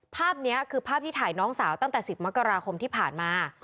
ภาพนี้คือภาพที่ถ่ายน้องสาวตั้งแต่๑๐มกราคมที่ผ่านมา